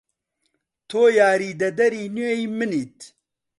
تۆ یاریدەدەری نوێی منیت.